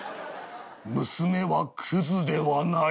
娘はくずではない」。